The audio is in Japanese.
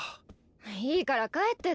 いいから帰ってってば！